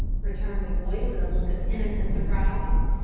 returned the boy, with a look of innocent surprise.